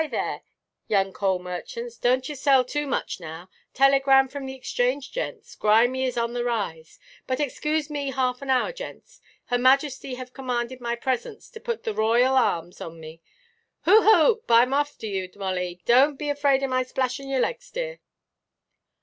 there, young coal–merchants, donʼt yer sell too much now! Telegram from the Exchange, gents; grimy is on the rise. But excoose me half an hour, gents; Her Majesty have commanded my presence, to put the ro–oyal harms on me. Ho–hoop! Iʼm after you, Molly. Donʼt be afraid of my splashing your legs, dear."